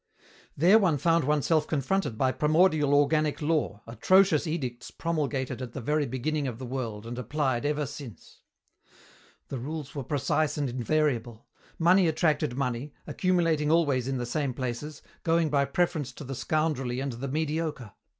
There one found oneself confronted by primordial organic law, atrocious edicts promulgated at the very beginning of the world and applied ever since. The rules were precise and invariable. Money attracted money, accumulating always in the same places, going by preference to the scoundrelly and the mediocre.